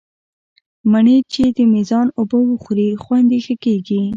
مڼې چې د مېزان اوبه وخوري، خوند یې ښه کېږي.